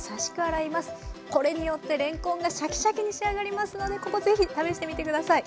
これによってれんこんがシャキシャキに仕上がりますのでここ是非試してみて下さい。